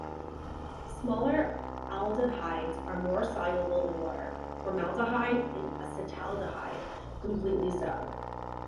Smaller aldehydes are more soluble in water, formaldehyde and acetaldehyde completely so.